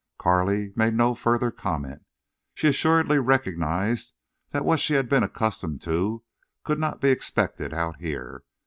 Carley made no further comment. She assuredly recognized that what she had been accustomed to could not be expected out here.